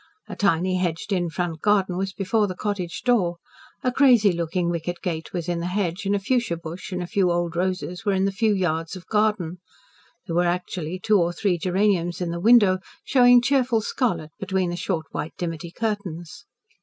A tiny hedged in front garden was before the cottage door. A crazy looking wicket gate was in the hedge, and a fuschia bush and a few old roses were in the few yards of garden. There were actually two or three geraniums in the window, showing cheerful scarlet between the short, white dimity curtains.